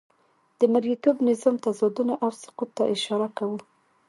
د مرئیتوب نظام تضادونه او سقوط ته اشاره کوو.